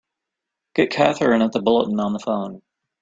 Get Katherine at the Bulletin on the phone!